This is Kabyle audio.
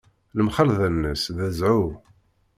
Lemxalḍa-nnes d zzhu.